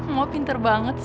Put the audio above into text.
mau pinter banget sih